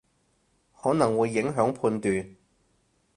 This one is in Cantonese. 可能會影響判斷